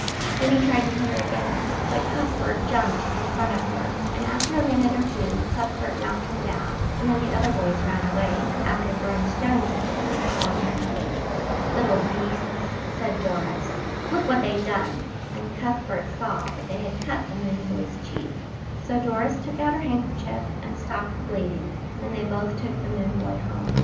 Then he tried to hit her again, but Cuthbert jumped in front of her, and after a minute or two Cuthbert knocked him down; and then the other boys ran away, after throwing stones at them and calling them names. "Little beasts," said Doris, "look what they've done," and Cuthbert saw that they had cut the moon boy's cheek. So Doris took out her handkerchief and stopped the bleeding, and then they both took the moon boy home.